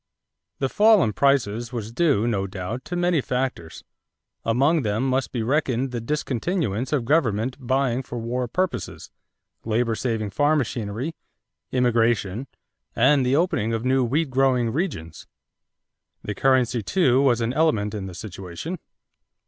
= The fall in prices was due, no doubt, to many factors. Among them must be reckoned the discontinuance of government buying for war purposes, labor saving farm machinery, immigration, and the opening of new wheat growing regions. The currency, too, was an element in the situation.